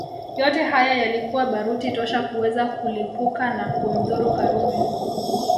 Yote haya yalikuwa baruti tosha kuweza kulipuka na kumdhuru Karume